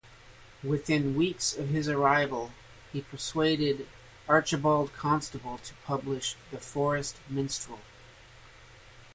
Within weeks of his arrival he persuaded Archibald Constable to publish "The Forest Minstrel".